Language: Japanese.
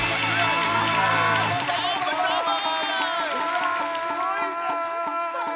うわすごいね。